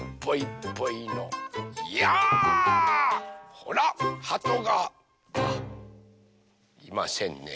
ほらはとがいませんね。